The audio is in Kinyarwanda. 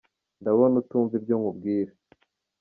Ndabona utumva ibyo nkubwira.